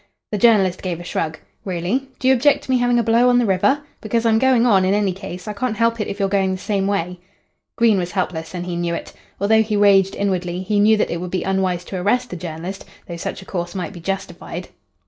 The journalist gave a shrug. "Really? Do you object to me having a blow on the river? Because I'm going on, in any case. I can't help it if you're going the same way." Green was helpless, and he knew it. Although he raged inwardly, he knew that it would be unwise to arrest the journalist, though such a course might be justified.